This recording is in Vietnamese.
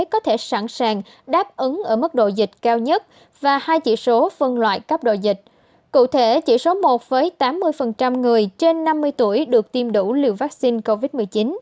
cụ thể chỉ số một với tám mươi người trên năm mươi tuổi được tiêm đủ liều vaccine covid một mươi chín